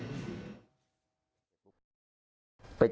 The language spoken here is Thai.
ไม่ให้แม้แม่แม่ไม่แล้ว